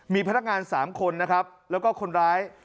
มีพนักงาน๓คนนะครับแล้วก็คนร้าย